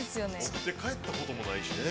◆持って帰ったこともないしね。